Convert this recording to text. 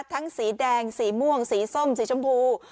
สีแดงสีม่วงสีส้มสีชมพู